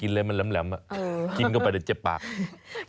มันคือทุเรียนในทุเรียนที่อยู่ในทุเรียนของทุเรียนอีกทีนึง